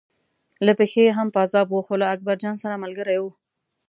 له پښې یې هم پازاب و خو له اکبرجان سره ملګری و.